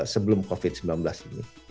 sebelum covid sembilan belas ini